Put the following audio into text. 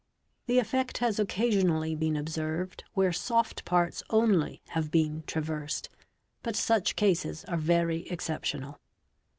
The effect has occasionally been observed where soft parts only have been traversed, but such cases are very exceptional.